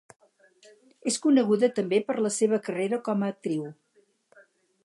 És coneguda també per la seva carrera com a actriu.